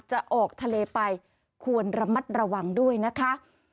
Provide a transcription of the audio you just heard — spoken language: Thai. จะออกทะเลไปควรระมัดระวังด้วยนะคะ